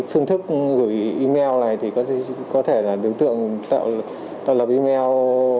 phương thức gửi email này thì có thể là đối tượng tạo lập email